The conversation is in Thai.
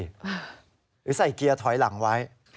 หรือใส่เกียร์ถอยหลังไว้